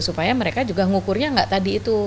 supaya mereka juga ngukurnya nggak tadi itu